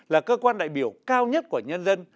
là cơ quan đại biểu cao nhất của nhân dân